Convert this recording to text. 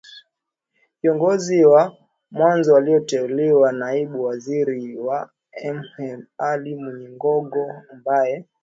Viongozi wa mwanzo walio teuliwa ni Naibu Waziri wa Mhe Ali Mwinyigogo mabaye